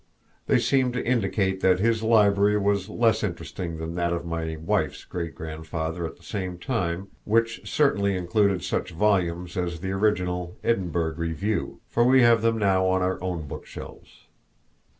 They seem to indicate that his library was less interesting than that of my wife's great grandfather at the same time, which certainly included such volumes as the original Edinburgh Review, for we have them now on our own book shelves.